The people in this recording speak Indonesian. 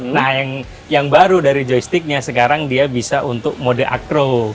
nah yang baru dari joysticknya sekarang dia bisa untuk mode acro